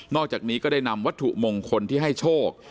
อกจากนี้ก็ได้นำวัตถุมงคลที่ให้โชค